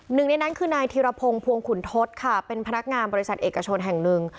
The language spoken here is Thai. หนึ่งในนั้นคือนายธิรพงศ์ภวงขุนทศค่ะเป็นพนักงานบริษัทเอกชนแห่งหนึ่ง